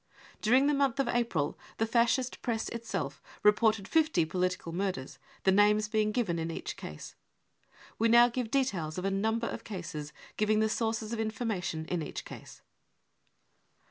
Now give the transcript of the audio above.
During the month of April the Fascist Press itself reported fifty political murders, the names being given in each case. We now give details of a number of cases, giving the sources of information in each case.